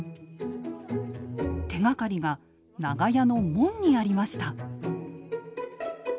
手がかりが長屋の門にありました。